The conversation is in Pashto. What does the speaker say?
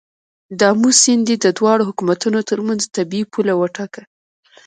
د آمو سیند یې د دواړو حکومتونو تر منځ طبیعي پوله وټاکه.